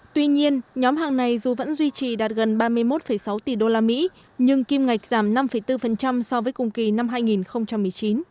tuy nhiên nhóm hàng này dù vẫn duy trì đạt gần ba mươi một sáu tỷ usd nhưng kim ngạch giảm năm bốn so với cùng kỳ năm hai nghìn một mươi chín